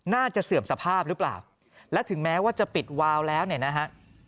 เสื่อมสภาพหรือเปล่าและถึงแม้ว่าจะปิดวาวแล้วเนี่ยนะฮะ